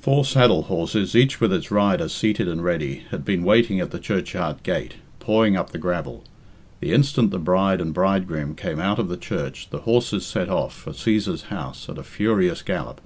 Four saddle horses, each with its rider seated and ready, had been waiting at the churchyard gate, pawing up the gravel. The instant the bride and bridegroom came out of the church the horses set off for Cæsar's house at a furious gallop.